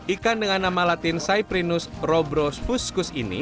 ikan dengan nama latin cyprinus robros fuscus ini